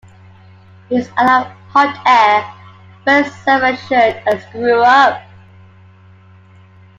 He's a lot of hot air, very self-assured, a screw-up.